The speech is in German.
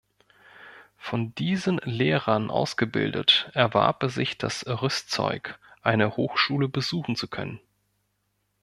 Von diesen Lehrern ausgebildet, erwarb er sich das Rüstzeug, eine Hochschule besuchen zu können.